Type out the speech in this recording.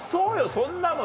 そんなもん